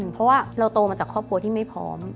เพราะว่าเราโตมาจากครอบครัวที่ไม่พร้อม